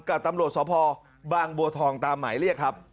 กับตำรวจสพบางบัวทองตามหมายเรียกครับ